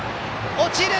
落ちる！